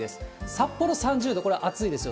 札幌３０度、これ、暑いですよ。